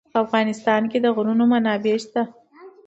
په افغانستان کې د غرونه منابع شته.